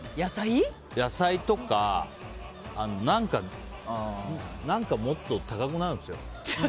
野菜とか何かもっと高くなるんですよ。